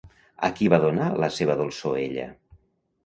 A qui va donar la seva dolçor ella?